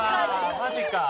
マジか！